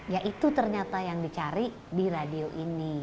ya itu ternyata yang dicari di radio ini